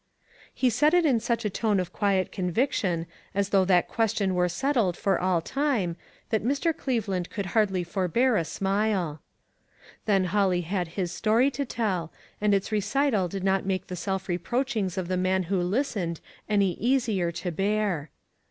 He said it in such a tone of quiet con viction, as though that question were set tled for all time, that Mr. Cleveland could hardly forbear a smile. Then Holly had his story to tell, and its recital did not make the self reproachings of the man who listened any easier to bear.